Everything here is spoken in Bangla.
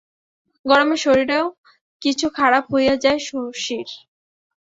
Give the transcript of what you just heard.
গরমে শরীরও কিছু খারাপ হইয়া যায় শশীর।